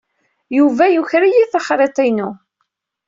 Yuba yuker-iyi taxriḍt-inu.